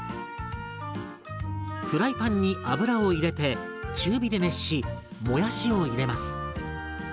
フライパンに油を入れて中火で熱しもやしを入れます。